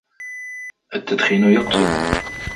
التدخين يقتل.